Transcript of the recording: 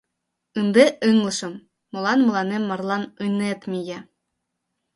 Ынде ыҥлышым, молан мыланем марлан ынет мие.